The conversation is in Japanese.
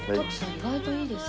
意外といいです。